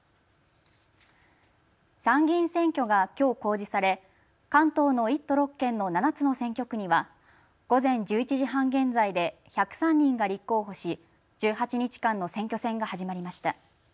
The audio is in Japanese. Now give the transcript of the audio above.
参議院選挙がきょう公示され関東の１都６県の７つの選挙区には午前１１時半現在で１０３人が立候補し、１８日間の選挙戦が始まりました。